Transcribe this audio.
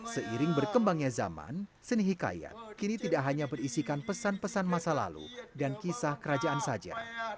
seiring berkembangnya zaman seni hikayat kini tidak hanya berisikan pesan pesan masa lalu dan kisah kerajaan saja